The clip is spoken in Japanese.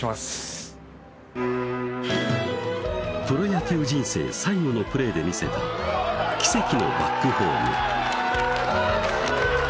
プロ野球人生最後のプレーで見せた奇跡のバックホーム